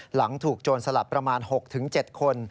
หลังถูกโจรสลับประมาณ๖๗คน